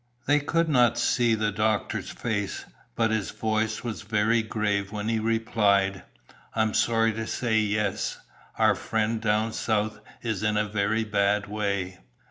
They could not see the doctor's face, but his voice was very grave when he replied, "I'm sorry to say yes. Our friend down south is in a very bad way."